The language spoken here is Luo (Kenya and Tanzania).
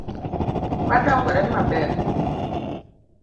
Wadongore maber.